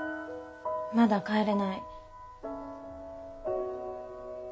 まだ帰れない。